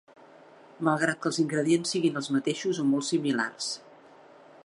malgrat que els ingredients siguin els mateixos o molt similars